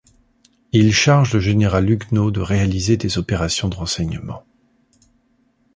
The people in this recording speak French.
Il charge le général Huguenot de réaliser des opérations de renseignement.